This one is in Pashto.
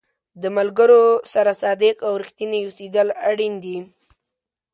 د ملګرو سره صادق او رښتینی اوسېدل اړین دي.